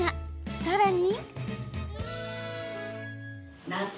さらに。